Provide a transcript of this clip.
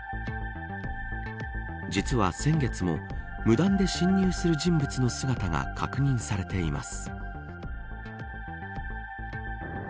実は、先月も無断で侵入する人物の姿が確認されています。